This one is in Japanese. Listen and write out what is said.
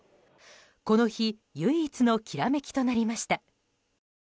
この日、唯一の「煌」となりました。